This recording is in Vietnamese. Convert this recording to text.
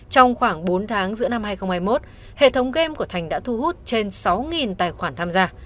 trong khoảng bốn tháng giữa năm hai nghìn hai mươi một hệ thống game của thành đã thu hút trên sáu tài khoản tham gia